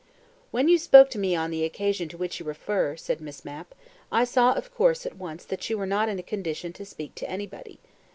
"When you spoke to me on the occasion to which you refer," said Miss Mapp, "I saw, of course, at once that you were not in a condition to speak to anybody.